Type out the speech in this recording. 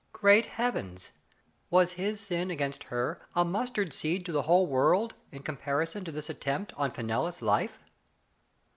Great Heavens! Was his sin against her a mustard seed to the whole world, in comparison to this attempt on Fenella's life?